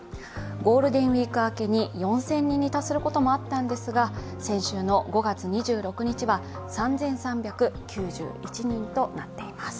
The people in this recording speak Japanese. ゴールデンウイーク明けに４０００人に達することもあったんですが、先週の５月２６日は３３９１人となっています。